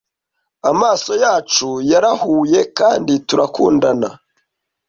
amaso yacu yarahuye kandi turakundana